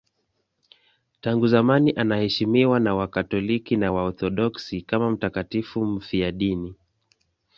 Tangu zamani anaheshimiwa na Wakatoliki na Waorthodoksi kama mtakatifu mfiadini.